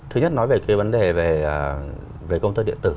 thứ nhất nói về cái vấn đề về công tơ điện tử